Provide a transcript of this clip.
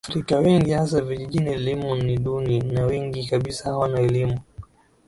frika wengi hasa vijijini elimu ni duni na wengi kabisa hawana elimu